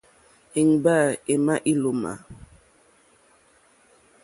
Íŋɡbâ émá ílómǎ.